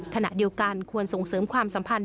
ขณะเดียวกันควรส่งเสริมความสัมพันธ